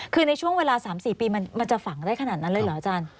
คือในช่วงเวลา๓๔ปีมันจะฝังได้ขนาดนั้นเลยเหรออาจารย์